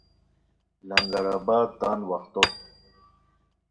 لنگر آباد تان وختو